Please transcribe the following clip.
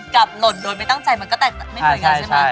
หล่นโดยไม่ตั้งใจมันก็แตกไม่เหมือนกันใช่ไหม